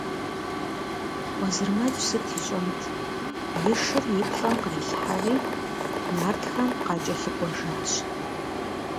Уэзырмэдж сыт ищӏэнт – и шыр и плӏэм кърилъхьэри, нартхэм къакӏэлъыкӏуэжащ.